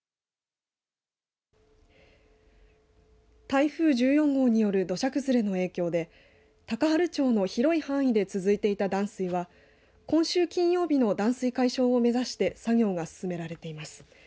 台風１４号による土砂崩れの影響で高原町の広い範囲で続いていた断水は今週金曜日の断水解消を目指して作業が進められています。